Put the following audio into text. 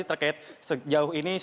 terkait sejauh ini